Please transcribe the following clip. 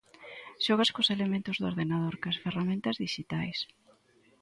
Xogas cos elementos do ordenador, coas ferramentas dixitais.